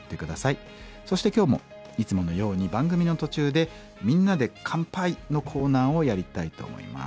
そして今日もいつものように番組の途中で「みんなで乾杯」のコーナーをやりたいと思います。